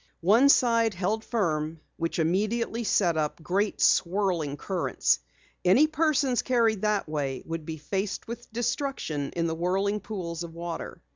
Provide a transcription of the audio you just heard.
One side held firm which immediately set up great swirling currents. Any persons carried that way would be faced with destruction in the whirling pools of water.